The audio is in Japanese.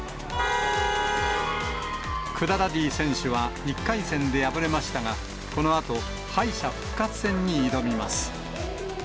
クダダディ選手は１回戦で敗れましたが、このあと、敗者復活戦に挑みます。